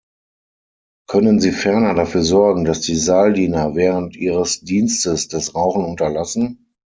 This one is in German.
Können Sie ferner dafür sorgen, dass die Saaldiener während ihres Dienstes das Rauchen unterlassen?